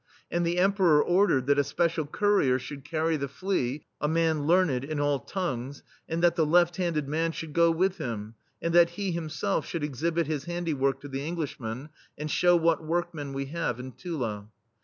And the Emperor ordered that a spe cial Courier should carry the flea, a man learned in all tongues, and that the left handed man should go with him, and that he himself should exhibit his handiwork to the Englishmen, and show what workmen we have in Tula.